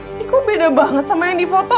ini kok beda banget sama yang dipoto